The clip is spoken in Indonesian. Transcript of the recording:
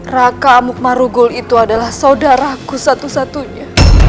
raka amuk marugu itu adalah saudaraku satu satunya